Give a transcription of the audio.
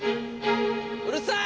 うるさい！